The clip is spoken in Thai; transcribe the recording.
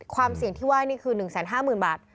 ความเสี่ยงที่ไห้นี่คือ๑๕๐๐๐บาท